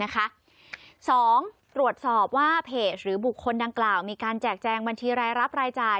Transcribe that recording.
สองตรวจสอบว่าเพจหรือบุคคลดังกล่าวมีการแจกแจงบัญชีรายรับรายจ่าย